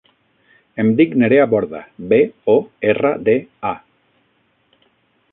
Em dic Nerea Borda: be, o, erra, de, a.